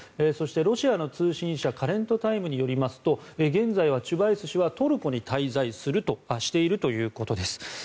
そしてロシアの通信社カレントタイムによりますと現在はチュバイス氏はトルコに滞在しているということです。